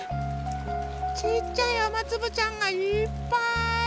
ちいちゃいあまつぶちゃんがいっぱい！